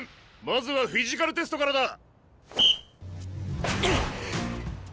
まずはフィジカルテストからだ！